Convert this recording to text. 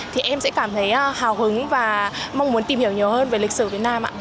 thì em sẽ cảm thấy hào hứng và mong muốn tìm hiểu nhiều hơn về lịch sử việt nam ạ